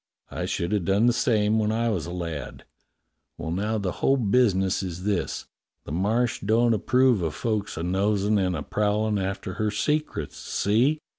I should have done the same when I was a lad. W^ell, now the whole business is this: the Marsh don't approve of folks a nosin' and a prowlin' after her secrets, see?"